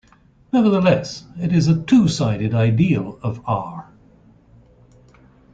Nevertheless, it is a two-sided ideal of "R".